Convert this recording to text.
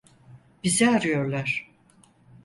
Bizi arıyorlar.